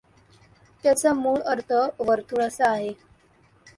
त्याचा मूळ अर्थ वर्तुळ असा आहे.